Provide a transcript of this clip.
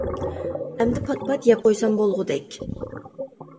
ئەمدى پات پات يەپ قويسام بولغۇدەك.